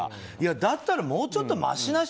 だったらもうちょっとましな人。